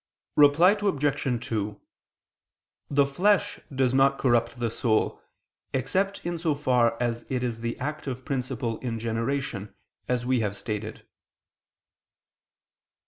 Reply Obj. 2: The flesh does not corrupt the soul, except in so far as it is the active principle in generation, as we have stated.